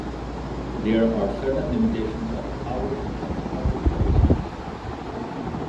There are certain limitations on the powers of the Public Service Commission.